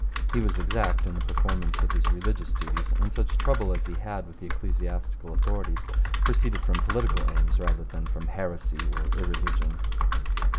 He was exact in the performance of his religious duties, and such trouble as he had with the ecclesiastical authorities proceeded from political aims rather than from heresy or irreligion.